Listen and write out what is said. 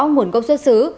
nguồn gốc xuất xứ